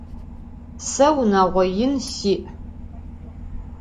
Se vunağo yin si'.